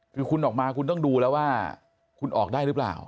คือคุณออกมาคุณต้องดูแล้วว่าคุณออกได้หรือเปล่า